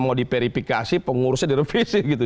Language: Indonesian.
mau diverifikasi pengurusnya direvisi gitu